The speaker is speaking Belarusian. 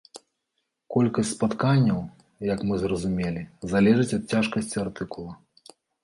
Колькасць спатканняў, як мы зразумелі, залежыць ад цяжкасці артыкула.